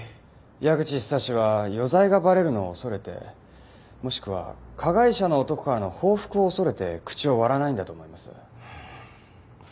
矢口久志は余罪がバレるのを恐れてもしくは加害者の男からの報復を恐れて口を割らないんだと思います。